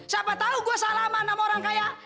siapa tau gua salah sama orang kaya